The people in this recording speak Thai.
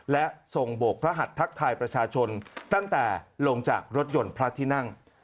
และส่งโบกพระหัดทักทายประชาชนตั้งแต่ลงจากรถยนต์พระที่นั่ง